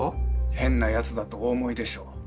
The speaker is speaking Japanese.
変なやつだとお思いでしょう。